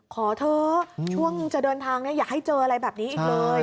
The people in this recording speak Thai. ขอเถอะช่วงจะเดินทางอย่าให้เจออะไรแบบนี้อีกเลย